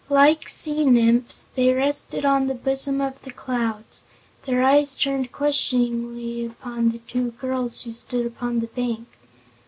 Like sea nymphs they rested on the bosom of the clouds, their eyes turned questioningly upon the two girls who stood upon the bank.